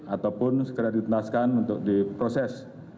ataupun segera ditentaskan untuk diproses